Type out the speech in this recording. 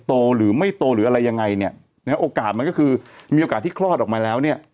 โตหรือไม่โตหรืออะไรยังไงเนี่ยนะฮะโอกาสมันก็คือมีโอกาสที่คลอดออกมาแล้วเนี่ย